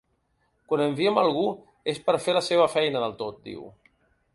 Quan enviem algú és per fer la seva feina del tot, diu.